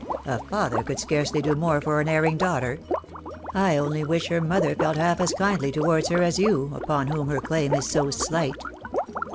"A father could scarcely do more for an erring daughter. I only wish her mother felt half as kindly to wards her as you, upon whom her claim is so slight.''